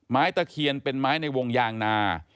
ตะเคียนเป็นไม้ในวงยางนา